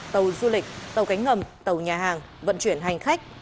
tàu du lịch tàu cánh ngầm tàu nhà hàng vận chuyển hành khách